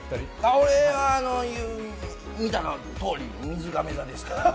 俺はね、見てのとおり、みずがめ座ですけど。